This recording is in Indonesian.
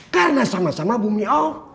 karena sama sama bumi allah